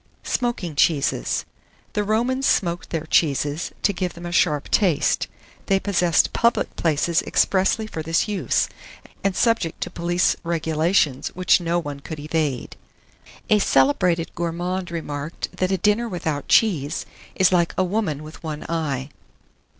SMOKING CHEESES. The Romans smoked their cheeses, to give them a sharp taste. They possessed public places expressly for this use, and subject to police regulations which no one could evade. A celebrated gourmand remarked that a dinner without cheese is like a woman with one eye.